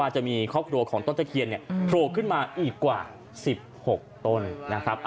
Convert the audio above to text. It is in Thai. จะมีครอบครัวของต้นตะเคียนโผล่ขึ้นมาอีกกว่า๑๖ต้นนะครับ